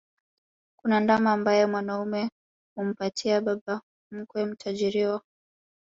Kuna ndama ambaye mwanaume humpatia baba mkwe mtarajiwa